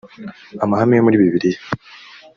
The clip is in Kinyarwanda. amahame yo muri bibiliya